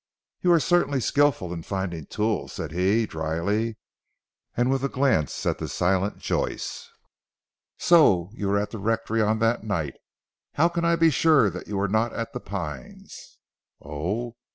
"You are certainly skilful in finding tools," said he dryly and with a glance at the silent Joyce. "So you were at the rectory on that night? How can I be sure that you were not at 'The Pines?'" "Oh!